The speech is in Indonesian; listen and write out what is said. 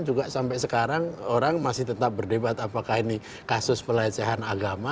juga sampai sekarang orang masih tetap berdebat apakah ini kasus pelecehan agama